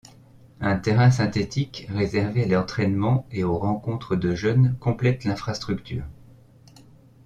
Un terrain synthétique réservé à l'entraînement et aux rencontres de jeunes complète l'infrastructure.